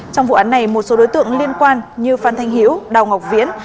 trong vụ án này một số đối tượng liên quan như phan thanh hiễu đào ngọc viễn